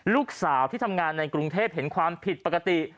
ลูกสาวที่ทำงานในกรุงเทพเห็นความผิดปกติ